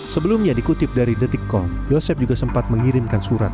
sebelumnya dikutip dari detik com yosep juga sempat mengirimkan surat